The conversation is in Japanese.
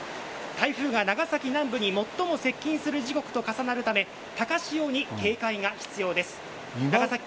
台風は長崎南部に最も接近する時刻と重なるため高潮に警戒が必要です。